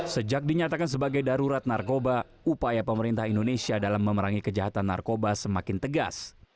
sejak dinyatakan sebagai darurat narkoba upaya pemerintah indonesia dalam memerangi kejahatan narkoba semakin tegas